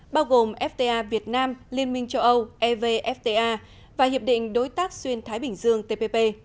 bao gồm fta việt nam liên minh châu âu evfta và hiệp định đối tác xuyên thái bình dương tpp